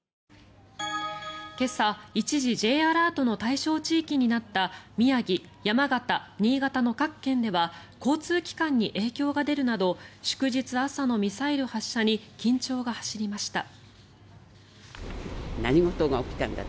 今朝、一時Ｊアラートの対象地域となった宮城、山形、新潟の各県では交通機関に影響が出るなど祝日朝のミサイル発射に緊張が走りました。